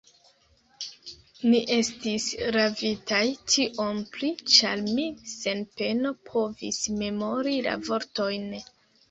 Ni estis ravitaj, tiom pli, ĉar mi sen peno povis memori la vortojn.